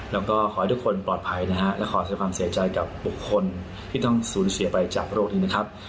แล้วก็ขอให้ทุกคนปลอดภัยนะฮะและขอแสดงความเสียใจกับบุคคลที่ต้องสูญเสียไปจากโรคนี้นะครับ